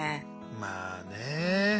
まあね。